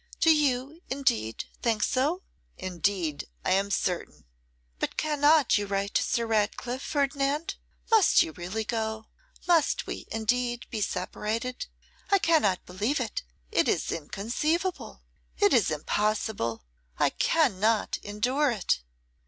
'Do you, indeed, think so?' 'Indeed I am certain.' 'But cannot you write to Sir Ratcliffe, Ferdinand? Must you really go? Must we, indeed, be separated? I cannot believe it; it is inconceivable; it is impossible; I cannot endure it.